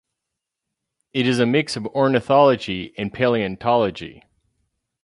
It is a mix of ornithology and paleontology.